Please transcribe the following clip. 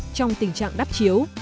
trong tình trạng đắp chiếu